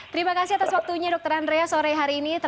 terima kasih atas waktunya dokter andreas sore hari ini